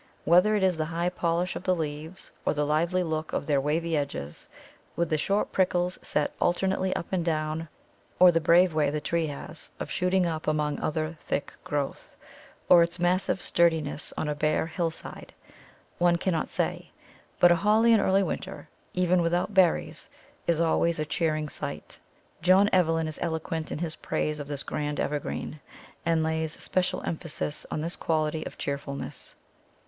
Whether it is the high polish of the leaves, or the lively look of their wavy edges, with the short prickles set alternately up and down, or the brave way the tree has of shooting up among other thick growth, or its massive sturdiness on a bare hillside, one cannot say, but a Holly in early winter, even without berries, is always a cheering sight. John Evelyn is eloquent in his praise of this grand evergreen, and lays special emphasis on this quality of cheerfulness.